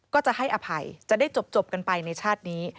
ก็จะให้อภัยจะได้จบกันไปในชาตินี้